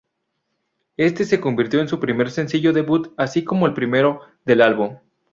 Éste se convirtió en su primer sencillo debut así como el primero del álbum.